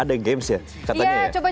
ada games ya katanya ya